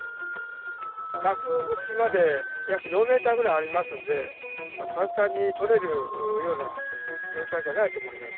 額縁まで約４メートルぐらいありますんで、簡単にとれるような状態ではないと思います。